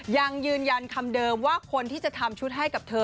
ยังยืนยันคำเดิมว่าคนที่จะทำชุดให้กับเธอ